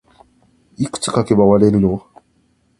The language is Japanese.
いくつ書けば終われるの